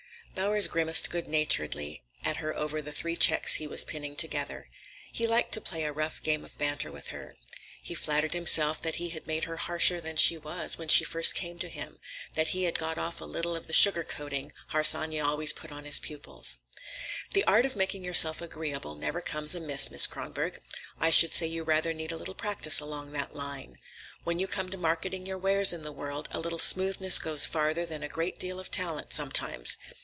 Bowers grimaced good humoredly at her over the three checks he was pinning together. He liked to play at a rough game of banter with her. He flattered himself that he had made her harsher than she was when she first came to him; that he had got off a little of the sugar coating Harsanyi always put on his pupils. "The art of making yourself agreeable never comes amiss, Miss Kronborg. I should say you rather need a little practice along that line. When you come to marketing your wares in the world, a little smoothness goes farther than a great deal of talent sometimes.